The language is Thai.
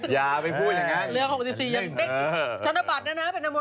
อย่าไปพูดอย่างง่ายทะเล่งเรื่อง๖๔ยังไม่